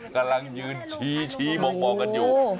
กำลังยืนชี้มองกันอยู่